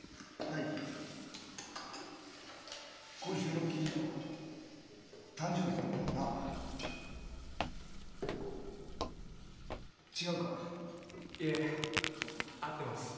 いえ合ってます。